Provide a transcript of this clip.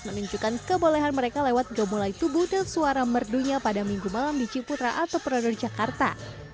menunjukkan kebolehan mereka lewat gemulai tubuh dan suara merdunya pada minggu malam di ciputra atau prado jakarta